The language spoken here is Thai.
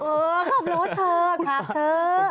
เออขับรถเถอะขับเถอะ